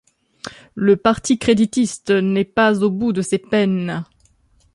Le Parti créditiste n'est pas au bout de ses peines.